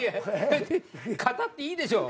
語っていいでしょ。